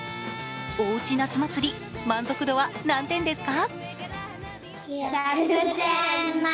おうち夏祭り、満足度は何点ですか？